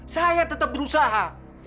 saya tetep berusaha